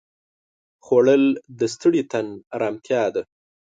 خوړل د ستړي تن ارامتیا ده